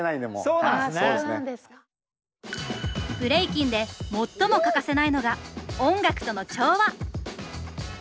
ブレイキンで最も欠かせないのが音楽との調和！